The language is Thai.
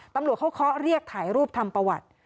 ตำรวจเขาเคาะเรียกถ่ายรูปทำประวัติ